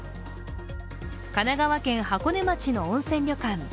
神奈川県箱根町の温泉旅館。